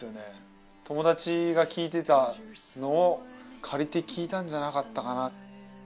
友達が聴いてたのを借りて聴いたんじゃなかったかな。